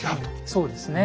そうですね。